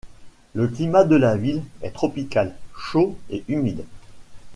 Le climat de la ville est tropical, chaud et humide.